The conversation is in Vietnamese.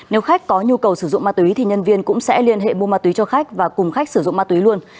nếu khách có nhu cầu sử dụng mát tuy thì nhân viên cũng sẽ liên hệ mua mát tuy cho khách và cùng khách sử dụng mát tuy luôn